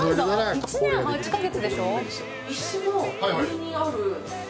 １年８か月でしょ？